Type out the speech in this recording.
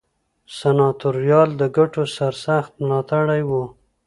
سناتوریال د ګټو سرسخت ملاتړي وو.